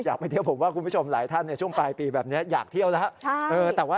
ไปเที่ยวผมว่าคุณผู้ชมหลายท่านในช่วงปลายปีแบบนี้อยากเที่ยวแล้ว